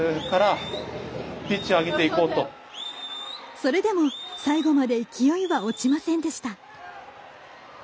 それでも最後まで勢いは落ちませんでした。